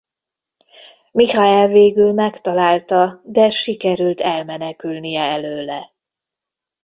Michael végül megtalálta de sikerült elmenekülnie előle.